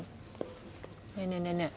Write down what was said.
ねえねえねえねえ。